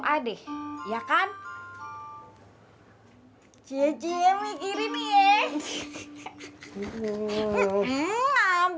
kerja sihawsihash dong